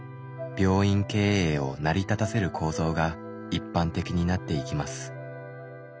病院経営を成り立たせる構造が一般的になっていきます。